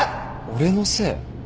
俺のせい？